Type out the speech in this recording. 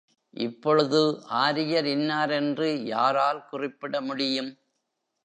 இப்பொழுது ஆரியர் இன்னார் என்று யாரால் குறிப்பிட முடியும்?